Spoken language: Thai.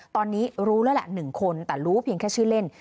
ตอนนี้รู้แล้วแหละ๑คนแต่รู้เพียงแค่ชื่อเล่น